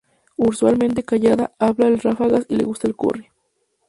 Usualmente callada, habla en ráfagas y le gusta el curry.